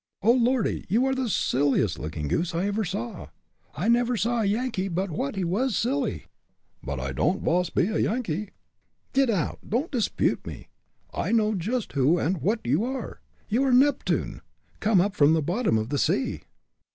"Oh! lordy! you are the silliest looking goose I ever saw. I never saw a Yankee but what he was silly." "But I don'd vas be a Yankee!" "Get out! Don't dispute me! I know just who and what you are. You are Neptune, come up from the bottom of the sea."